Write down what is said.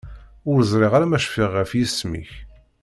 Ur ẓriɣ ara ma cfiɣ ɣef yisem-ik.